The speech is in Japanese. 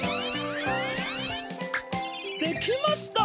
できました！